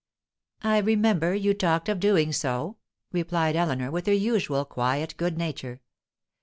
"I remember you talked of doing so," replied Eleanor, with her usual quiet good nature.